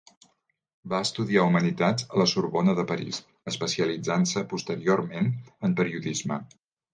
Va estudiar humanitats a La Sorbona de París, especialitzant-se posteriorment en periodisme.